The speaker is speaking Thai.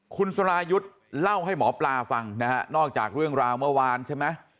คุณสรายุทธ์เล่าให้หมอปลาฟังนะฮะนอกจากเรื่องราวเมื่อวานใช่ไหม